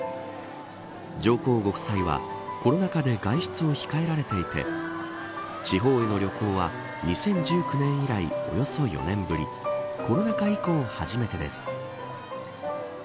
上皇ご夫妻はコロナ禍で外出を控えられていて地方への旅行は２０１９年以来およそ４年ぶりコロナ禍以降初めてです。